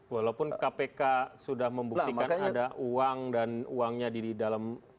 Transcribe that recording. walaupun kpk sudah membuktikan ada uang dan uangnya di dalam